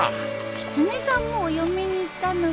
キツネさんもお嫁に行ったのか。